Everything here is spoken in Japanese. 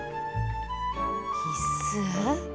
必須？